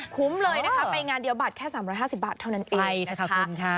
คุ้มเลยนะคะไปงานเดียวบัตรแค่๓๕๐บาทเท่านั้นเองนะคะ